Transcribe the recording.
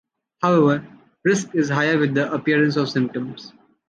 However, risk is higher with the appearance of symptoms.